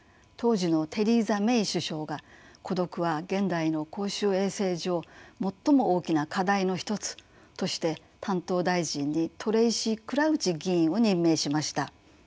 当時のテリーザ・メイ首相が「孤独は現代の公衆衛生上最も大きな課題の一つ」として担当大臣にトレイシー・クラウチ議員を任命しました。